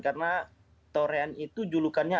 karena torean itu julukannya